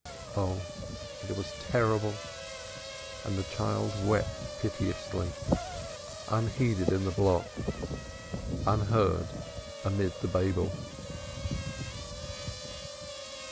Oh, it was terrible! and the child wept piteously, unheeded in the block, unheard amid the Babel.